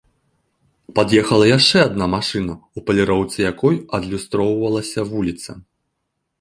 Пад'ехала яшчэ адна машына, у паліроўцы якой адлюстроўвалася вуліца.